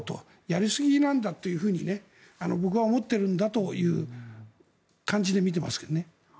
やりすぎなんだというふうに僕は思っているんだという感じで見てますけどね。